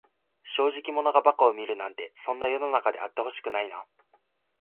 正直者が馬鹿を見るなんて、そんな世の中であってほしくないな。